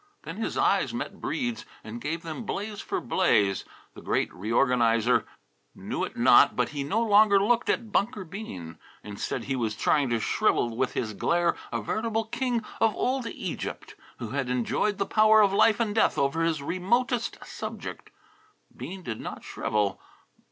Then his eyes met Breede's and gave them blaze for blaze. The Great Reorganizer knew it not, but he no longer looked at Bunker Bean. Instead, he was trying to shrivel with his glare a veritable king of old Egypt who had enjoyed the power of life and death over his remotest subject. Bean did not shrivel.